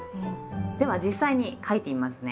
では実際に書いてみますね。